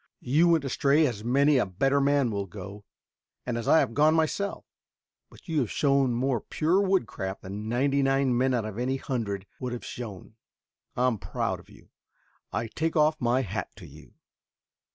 You went astray as many a better man will go, as I have gone myself, but you have shown more pure woodcraft than ninety nine men out of any hundred would have shown. I am proud of you. I take off my hat to you."